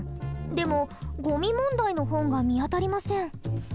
でもゴミ問題の本が見当たりません。